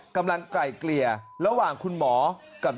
กำลังไก่เกลี่ยระหว่างคุณหมอกับ